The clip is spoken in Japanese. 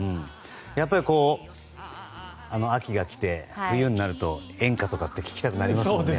やっぱり、秋が来て冬になると演歌とかって聴きたくなりますよね。